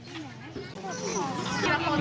ลูกแขน